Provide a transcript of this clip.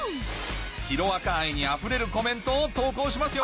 『ヒロアカ』愛にあふれるコメントを投稿しますよ